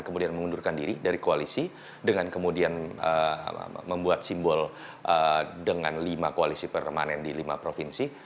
kemudian mengundurkan diri dari koalisi dengan kemudian membuat simbol dengan lima koalisi permanen di lima provinsi